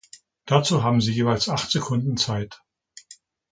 Dazu haben sie jeweils acht Sekunden Zeit.